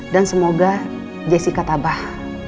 dan semoga jessica tabah